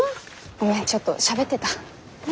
ごめんちょっとしゃべってた。